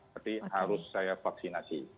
berarti harus saya vaksinasi